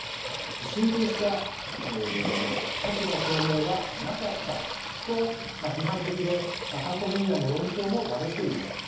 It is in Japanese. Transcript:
進展した立場表明はなかったと、批判的で韓国メディアの論調も割れています。